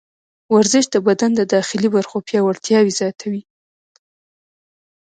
ورزش د بدن د داخلي برخو پیاوړتیا زیاتوي.